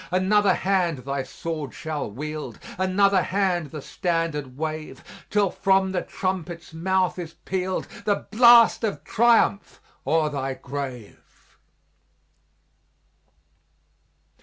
Another hand thy sword shall wield, Another hand the standard wave, Till from the trumpet's mouth is pealed, The blast of triumph o'er thy grave."